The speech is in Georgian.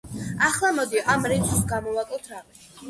ახლა, მოდი, ამ რიცხვს გამოვაკლოთ რამე.